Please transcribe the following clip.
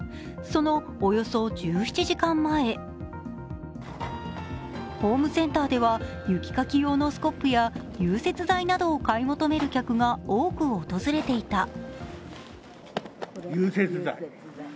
そのおよそ１７時間前ホームセンターでは雪かき用のスコップや融雪剤などを買い求める客が多く訪れていた。